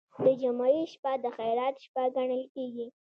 د جمعې شپه د خیرات شپه ګڼل کیږي.